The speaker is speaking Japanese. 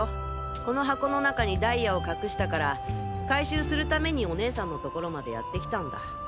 この箱の中にダイヤを隠したから回収するためにお姉さんのところまでやって来たんだ。